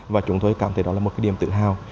và chúng tôi cảm thấy đó là một điểm tự hào